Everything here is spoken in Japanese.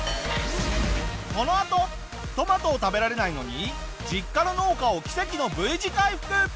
このあとトマトを食べられないのに実家の農家を奇跡のＶ字回復！